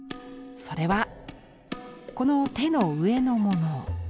それはこの手の上のもの。